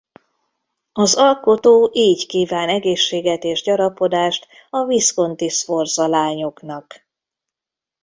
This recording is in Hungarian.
Az alkotó így kíván egészséget és gyarapodást a Visconti-Sforza lányoknak.